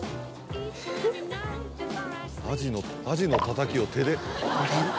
アジのアジのたたきを手で。